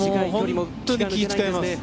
本当に気を遣います。